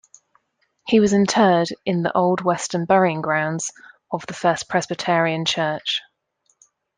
He was interred in the old Western Burying Grounds of the First Presbyterian Church.